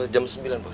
jam sembilan bos